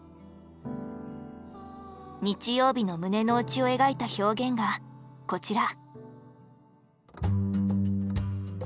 日曜日の胸の内を描いた表現がこちら。